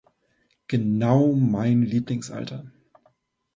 Genau mein Lieblingsalter!